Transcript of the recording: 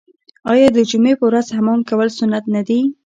آیا د جمعې په ورځ حمام کول سنت نه دي؟